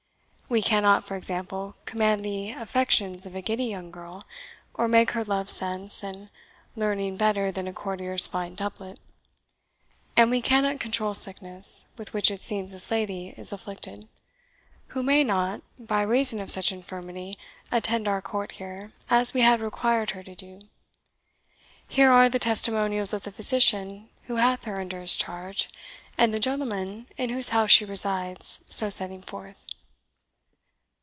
We cannot, for example, command the affections of a giddy young girl, or make her love sense and learning better than a courtier's fine doublet; and we cannot control sickness, with which it seems this lady is afflicted, who may not, by reason of such infirmity, attend our court here, as we had required her to do. Here are the testimonials of the physician who hath her under his charge, and the gentleman in whose house she resides, so setting forth."